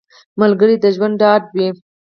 ملګری د ژوند ډاډ وي